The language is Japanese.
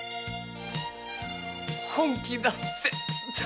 本気だって。